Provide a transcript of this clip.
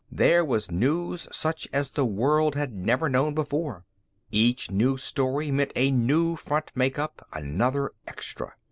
There was news such as the world had never known before. Each new story meant a new front make up, another extra.